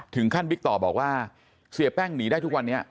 ถึงขั้นวิกตอบอกว่าเสียแป้งหนีได้ทุกวันเนี่ย